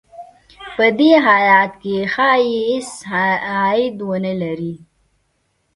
په دې حالت کې ښايي هېڅ عاید ونه لري